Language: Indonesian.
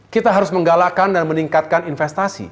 kita harus menggalakkan dan meningkatkan investasi